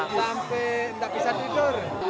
sampai gak bisa tidur